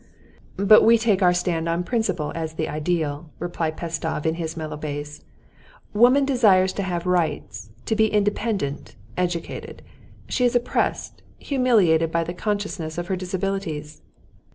"But we take our stand on principle as the ideal," replied Pestsov in his mellow bass. "Woman desires to have rights, to be independent, educated. She is oppressed, humiliated by the consciousness of her disabilities."